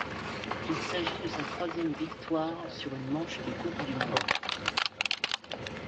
Il s'agit de sa troisième victoire sur une manche de Coupe du monde.